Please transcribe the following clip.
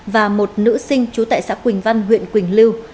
và một nữ sinh trú tại xã quỳnh văn huyện quỳnh lưu